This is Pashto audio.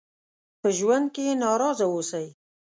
په ژوند کې ناراضه اوسئ.